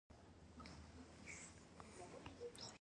افغانستان تر هغو نه ابادیږي، ترڅو منطق پر زور غالب نشي.